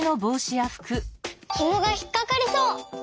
ひもがひっかかりそう！